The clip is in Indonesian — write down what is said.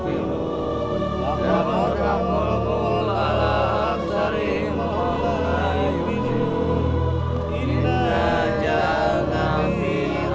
inna jangka mila ini